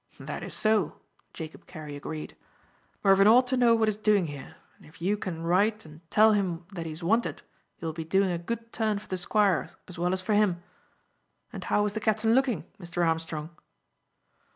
"That is so," Jacob Carey agreed. "Mervyn ought to know what is doing here, and if you can write and tell him that he is wanted you will be doing a good turn for the Squire as well as for him. And how was the captain looking, Mr. Armstrong?"